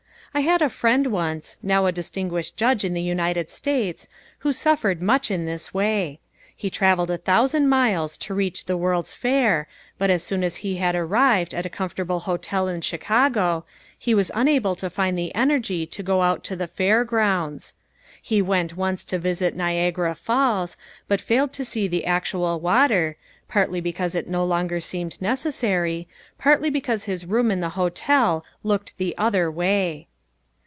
I had a friend once, now a distinguished judge in the United States, who suffered much in this way. He travelled a thousand miles to reach the World's Fair, but as soon as he had arrived at a comfortable hotel in Chicago, he was unable to find the energy to go out to the Fair grounds. He went once to visit Niagara Falls, but failed to see the actual water, partly because it no longer seemed necessary, partly because his room in the hotel looked the other way.